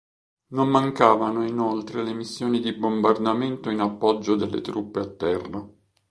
Non mancavano inoltre le missioni di bombardamento in appoggio delle truppe a terra.